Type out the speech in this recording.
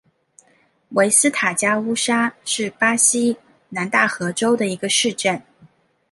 维斯塔加乌沙是巴西南大河州的一个市镇。